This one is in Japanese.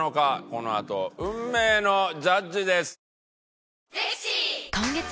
このあと運命のジャッジです。